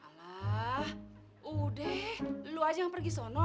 allah udah lu aja yang pergi sana